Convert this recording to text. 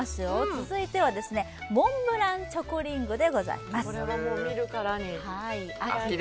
続いてはモンブランチョコリングです。